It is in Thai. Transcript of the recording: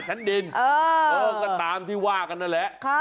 ชั้นดินก็ตามที่ว่ากันนั่นแหละ